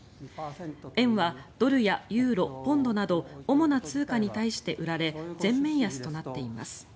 円はドルやユーロ、ポンドなど主な通貨に対して売られ全面安となっています。